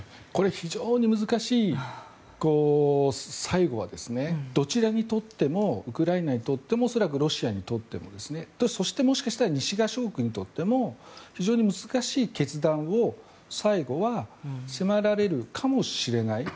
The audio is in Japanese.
非常に難しくて、最後はウクライナにとっても恐らくロシアにとってもそして、もしかしたら西側諸国にとっても非常に難しい決断を最後は迫られるかもしれない。